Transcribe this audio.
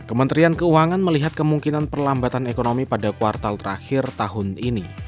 kementerian keuangan melihat kemungkinan perlambatan ekonomi pada kuartal terakhir tahun ini